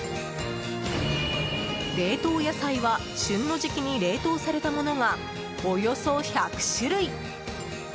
冷凍野菜は旬の時期に冷凍されたものがおよそ１００種類。